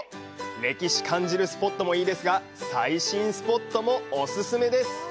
歴史感じるスポットもいいですが最新スポットもお勧めです！